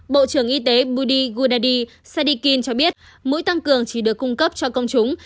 bộ trưởng y tế budi gudadi sadikin cho biết mũi tăng cường chỉ được cung cấp cho công chúng